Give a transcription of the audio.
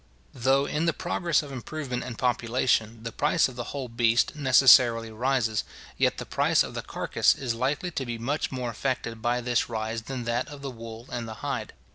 Though, in the progress of improvement and population, the price of the whole beast necessarily rises, yet the price of the carcase is likely to be much more affected by this rise than that of the wool and the hide.